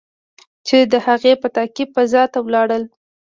چې د هغې په تعقیب فضا ته لاړل.